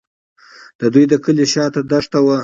د دوی د کلي شاته دښته وه.